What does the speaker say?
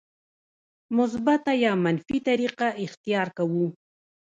مثبته یا منفي طریقه اختیار کوو.